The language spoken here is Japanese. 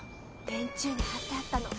電柱に張ってあったの。